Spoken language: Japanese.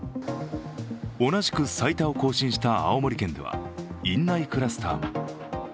同じく最多を更新した青森県では院内クラスターも。